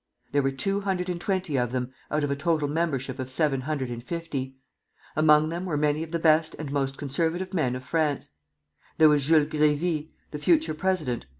There were two hundred and twenty of them, out of a total membership of seven hundred and fifty. Among them were many of the best and most conservative men of France. There was Jules Grévy, the future president (M.